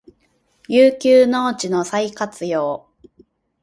遊休農地の再活用